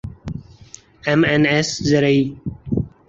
M N S زرعی